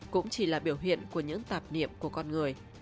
cũng chỉ là biểu hiện của những tạp niệm của con người